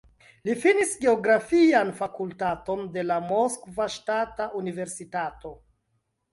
Li finis geografian fakultaton de la Moskva Ŝtata Universitato.